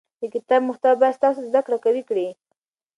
د کتاب محتوا باید ستاسو زده کړه قوي کړي.